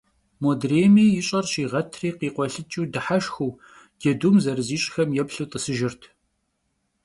Modrêymi yiş'er şiğetırti, khikhuelhıç'ıu dıheşşxıu, cedum zerıziş'xem yêplhu t'ısıjjırt...